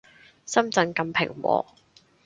深圳咁平和